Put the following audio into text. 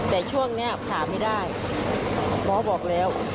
แต่ช่วงนี้ผ่าไม่ได้หมอบอกแล้ว